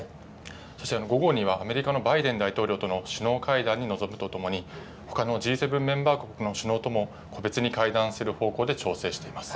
そして午後にはアメリカのバイデン大統領との首脳会談に臨むとともに、ほかのＧ７メンバー国の首脳とも個別に会談する方向で調整しています。